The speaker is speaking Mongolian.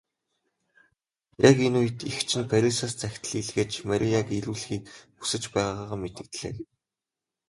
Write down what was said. Яг энэ үед эгч нь Парисаас захидал илгээж Марияг ирүүлэхийг хүсэж байгаагаа мэдэгдлээ.